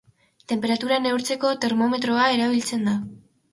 tenperatura neurtzeko, termometroa erabiltzen da.